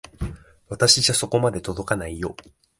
私じゃそこまで届かないよ。